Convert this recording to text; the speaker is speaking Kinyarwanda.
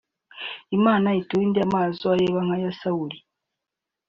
Imana iturinde amaso areba nk’aya Sawuli